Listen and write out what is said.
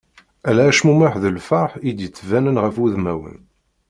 Ala acmumeḥ d lferḥ i d-yettbanen ɣef wudmaen.